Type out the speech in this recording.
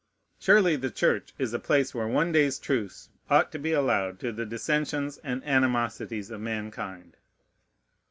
Surely the church is a place where one day's truce ought to be allowed to the dissensions and animosities of mankind.